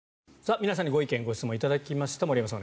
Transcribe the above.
皆さんにご意見・ご質問頂きました。